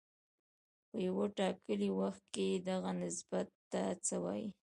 په یو ټاکلي وخت کې دغه نسبت ته څه وايي